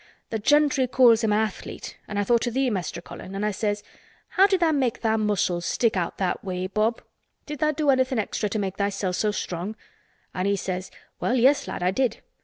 Th' gentry calls him a athlete and I thought o' thee, Mester Colin, and I says, 'How did tha' make tha' muscles stick out that way, Bob? Did tha' do anythin' extra to make thysel' so strong?' An' he says 'Well, yes, lad, I did.